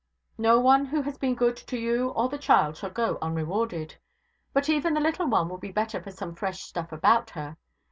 No one who has been good to you or the child shall go unrewarded. But even the little one will be better for some fresh stuff about her.